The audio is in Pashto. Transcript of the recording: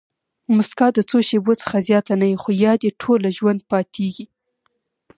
مسکا د څو شېبو څخه زیاته نه يي؛ خو یاد ئې ټوله ژوند پاتېږي.